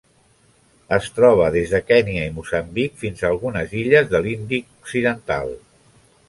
Es troba des de Kenya i Moçambic fins a algunes illes de l'Índic occidental.